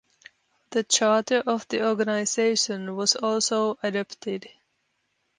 The Charter of the organization was also adopted.